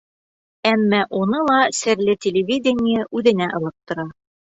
Әммә уны ла серле телевидение үҙенә ылыҡтыра.